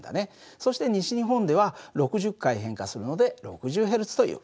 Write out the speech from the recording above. そして西日本では６０回変化するので６０Ｈｚという。